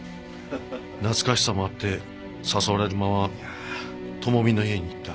懐かしさもあって誘われるまま智美の家に行った。